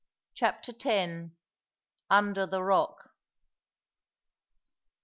CHAPTER X. UNDER THE ROCK.